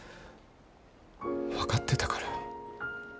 分かってたから。